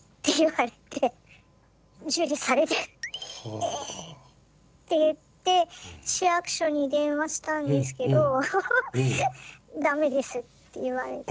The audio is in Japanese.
「ええ」って言って市役所に電話したんですけど「駄目です」って言われて。